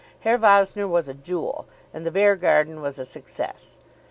Herr Vossner was a jewel, and the Beargarden was a success.